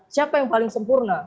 siapa yang paling sempurna